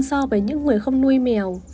so với những người không nuôi mèo